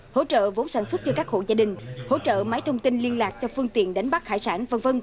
hỗ trợ vốn sản xuất cho các hộ gia đình hỗ trợ máy thông tin liên lạc cho phương tiện đánh bắt hải sản v v